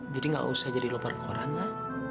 jadi nggak usah jadi loper koran ma